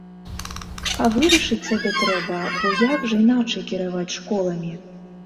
А вырашыць сабе трэба, бо як жа іначай кіраваць школамі.